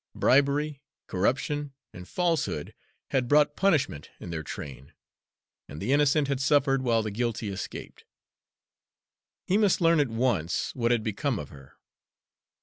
Bribery, corruption, and falsehood had brought punishment in their train, and the innocent had suffered while the guilty escaped. He must learn at once what had become of her.